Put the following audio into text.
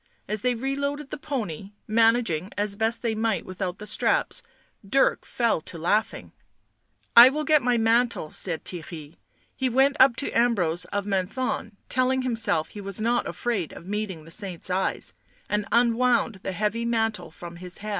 As they reloaded the pony, managing as best they might without the straps, Dirk fell to laughing. u I will get my mantle," said Theirry; he went up to Ambrose of Menthon, telling himself he was not afraid of meeting the saint's eyes, and unwound the heavy mantle from his head.